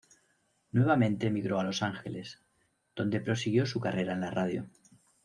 Nuevamente migró a Los Ángeles, donde prosiguió su carrera en la radio.